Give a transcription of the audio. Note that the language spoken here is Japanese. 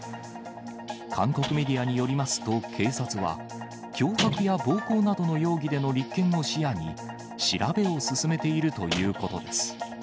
韓国メディアによりますと、警察は、脅迫や暴行などの容疑での立件を視野に、調べを進めているということです。